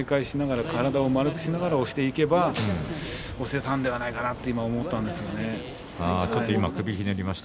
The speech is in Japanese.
あれをもうちょっと上手を警戒しながら体を丸くしながら押していけば押せたんではないかなと今思ったんですがね。